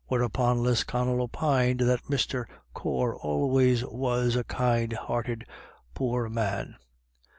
Whereupon Lisconnel opined that Mr. Corr always was a kind hearted poor man.